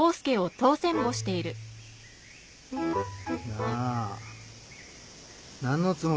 なあ何のつもりだ？